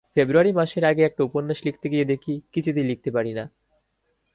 ফেব্রুয়ারি মাসের আগে একটা উপন্যাস লিখতে গিয়ে দেখি কিছুতেই লিখতে পারি না।